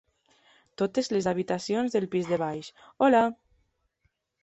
Totes les habitacions del pis de baix: Hola!